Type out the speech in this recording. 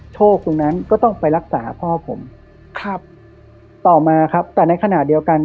ตรงนั้นก็ต้องไปรักษาพ่อผมครับต่อมาครับแต่ในขณะเดียวกัน